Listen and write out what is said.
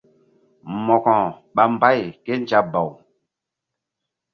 Mo̧ko ɓa mbay kézabaw.